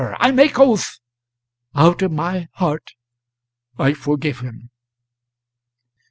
I make oath " "Out of my heart I forgive him."